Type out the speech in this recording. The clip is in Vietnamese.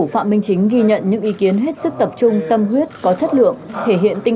phạm minh chính ghi nhận những ý kiến hết sức tập trung tâm huyết có chất lượng thể hiện tinh